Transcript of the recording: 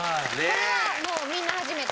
これはもうみんな初めて。